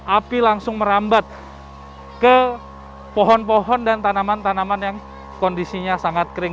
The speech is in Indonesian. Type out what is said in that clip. api langsung merambat ke pohon pohon dan tanaman tanaman yang kondisinya sangat kering